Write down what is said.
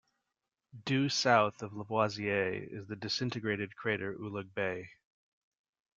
Due south of Lavoisier is the disintegrated crater Ulugh Beigh.